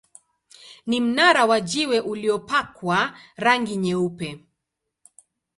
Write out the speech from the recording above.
Ni mnara wa jiwe uliopakwa rangi nyeupe.